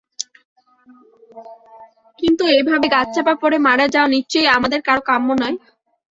কিন্তু এভাবে গাছচাপা পড়ে মারা যাওয়া নিশ্চয়ই আমাদের কারও কাম্য নয়।